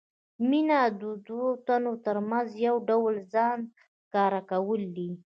مینه د دوو تنو ترمنځ یو ډول ځان ښکاره کول دي.